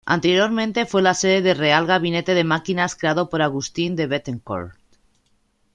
Anteriormente fue la sede del Real Gabinete de Máquinas creado por Agustín de Bethencourt.